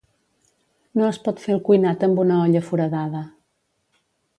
No es pot fer el cuinat amb una olla foradada.